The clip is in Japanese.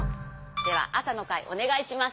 ではあさのかいおねがいします。